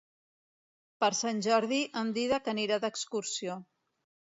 Per Sant Jordi en Dídac anirà d'excursió.